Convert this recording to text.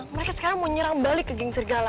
mereka sekarang mau nyerang balik ke geng serigala